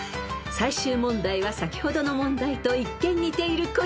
［最終問題は先ほどの問題と一見似ているこちら］